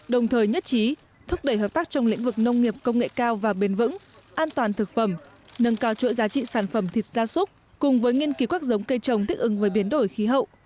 đồng thời nhất trí thúc đẩy hợp tác trong lĩnh vực nông nghiệp công nghệ cao và bền vững an toàn thực phẩm nâng cao chuỗi giá trị sản phẩm thịt gia súc cùng với nghiên cứu các giống cây trồng thích ứng với biến đổi khí hậu